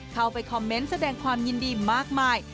เข้าไปคอมเมนต์แสดงความยินดีมากมาย